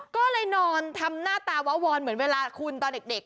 ก็เลยนอนทำหน้าตาวะวอนเหมือนเวลาคุณตอนเด็ก